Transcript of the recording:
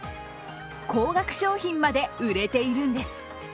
高額商品まで売れているんです。